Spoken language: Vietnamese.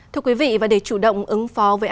thưa quý vị để chủ động ứng phó với áp thấp nhiệt đới